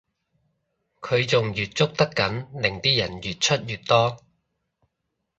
佢仲越捉得緊令啲人越出越多